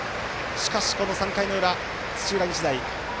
しかし、この３回の裏、土浦日大